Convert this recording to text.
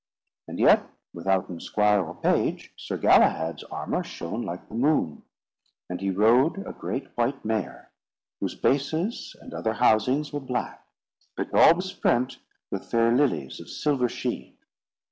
And yet withouten squire or page, Sir Galahad's armour shone like the moon. And he rode a great white mare, whose bases and other housings were black, but all besprent with fair lilys of silver sheen.